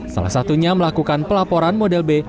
salah satunya melakukan pelaporan model b